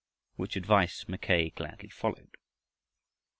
Which advice Mackay gladly followed.